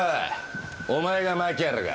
お前が槇原か。